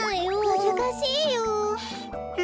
むずかしいよ。は